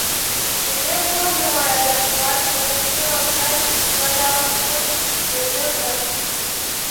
Se déroulant durant la guerre froide, ce conflit entraîne l'intervention des deux blocs.